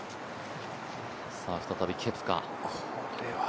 再びケプカ。